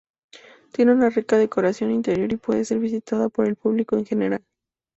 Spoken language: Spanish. Tiene una rica decoración interior y puede ser visitada por el público en general.